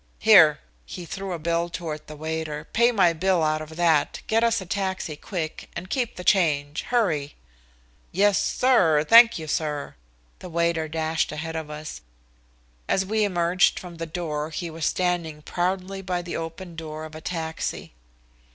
"Here!" He threw a bill toward the waiter. "Pay my bill out of that, get us a taxi quick, and keep the change. Hurry." "Yes, sir thank you, sir." The waiter dashed ahead of us. As we emerged from the door he was standing proudly by the open door of a taxi.